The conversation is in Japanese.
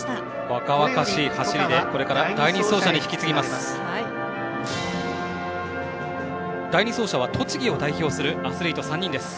若々しい走りでこれから第２走者に引き継ぎます。